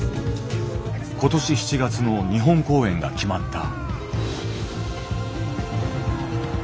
今年７月の日本公演が決まった。